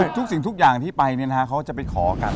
คือทุกสิ่งทุกอย่างที่ไปเนี่ยนะเขาจะไปขอกัน